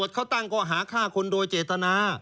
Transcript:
เขาตั้งก้อหาฆ่าคนโดยเจตนา